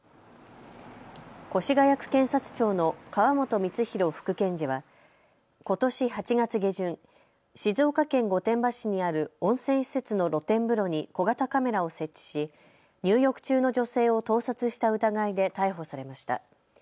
越谷区検察庁の川本満博副検事はことし８月下旬、静岡県御殿場市にある温泉施設の露天風呂に小型カメラを設置し入浴中の女性を盗撮した疑いで逮捕されました。